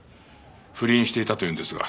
不倫していたというんですが。